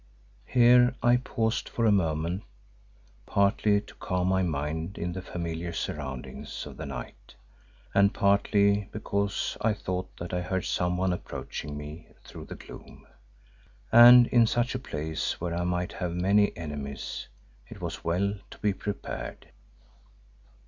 Here I paused for a moment, partly to calm my mind in the familiar surroundings of the night, and partly because I thought that I heard someone approaching me through the gloom, and in such a place where I might have many enemies, it was well to be prepared.